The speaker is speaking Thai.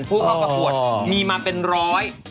ผู้เข้าประกวดมีมาเป็นร้อย